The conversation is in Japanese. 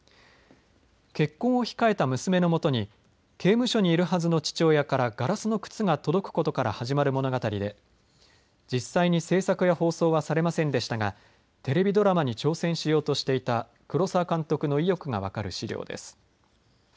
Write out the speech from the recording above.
結婚を控えた娘のもとに刑務所にいるはずの父親からガラスの靴が届くことから始まる物語で、実際に制作や放送はされませんでしたがテレビドラマに挑戦しようとしていた黒澤監督の意欲が分かる資料です。